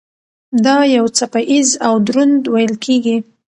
دا یو څپه ایز او دروند ویل کېږي.